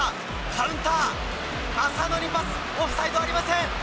カウンター、浅野にパス、オフサイドありません。